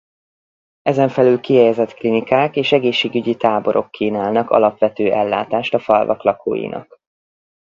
Ezenfelül kihelyezett klinikák és egészségügyi táborok kínálnak alapvető ellátást a falvak lakóinak.